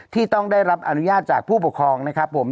ที่ต้องได้รับอนุญาตจากผู้ปกครองนะครับผม